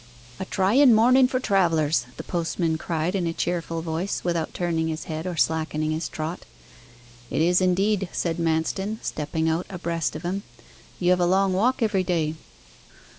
'A tryen mornen for travellers!' the postman cried, in a cheerful voice, without turning his head or slackening his trot. 'It is, indeed,' said Manston, stepping out abreast of him. 'You have a long walk every day.